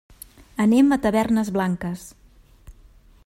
Anem a Tavernes Blanques.